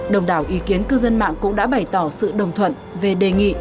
đồng đảo ý kiến cư dân mạng cũng đã bày tỏ sự đồng thuận về đề nghị